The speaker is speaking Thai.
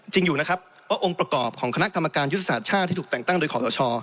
จริงอยู่นะครับว่าองค์ประกอบของคณะกรรมการยุทธศาสตร์ชาติที่ถูกแต่งตั้งโดยขอสช